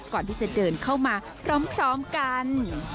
ก่อนที่จะเดินเข้ามาพร้อมกัน